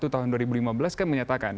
tahun dua ribu lima belas kan menyatakan